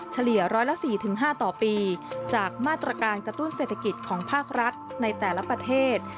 เฉลี่ยร้อยละ๔๕ต่อปีจากมาตรการกระตุ้นเศรษฐกิจของภาครัฐในแต่ละประเทศ